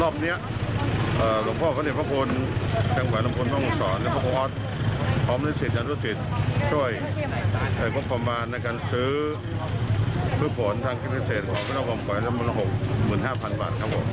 พี่น้องอมก๋อยบริจาคอีก๘๐ตันค่ะ